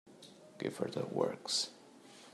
Give her the works.